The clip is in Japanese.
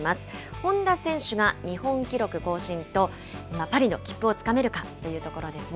本多選手が日本記録更新と、パリの切符をつかめるかというところですね。